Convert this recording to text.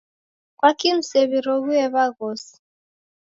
Kwaki msew'iroghue w'aghosi?